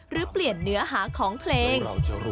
หรือเปลี่ยนเนื้อหาของเพลง